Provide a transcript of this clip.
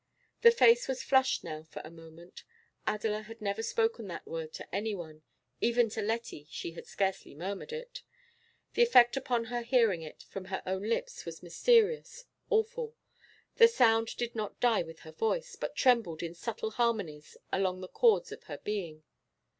The face was flushed now for a moment. Adela had never spoken that word to anyone; even to Letty she had scarcely murmured it. The effect upon her of hearing it from her own lips was mysterious, awful; the sound did not die with her voice, but trembled in subtle harmonies along the chords of her being.